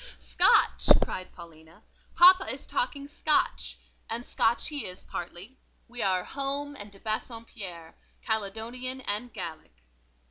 Scotch!" cried Paulina; "papa is talking Scotch; and Scotch he is, partly. We are Home and de Bassompierre, Caledonian and Gallic."